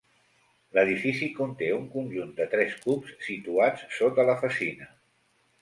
L'edifici conté un conjunt de tres cups, situats sota la fassina.